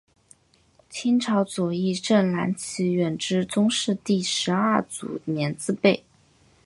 清朝左翼正蓝旗远支宗室第十二族绵字辈。